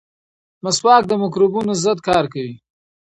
مسواک د مکروبونو ضد کار کوي.